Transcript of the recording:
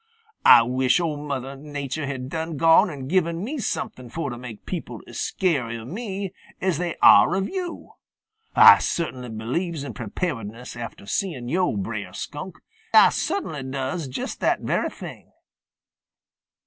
Ah wish Ol' Mother Nature had done gone and given me something fo' to make people as scary of me as they are of yo'. Ah cert'nly believes in preparedness after seein' yo', Brer Skunk. Ah cert'nly does just that very thing.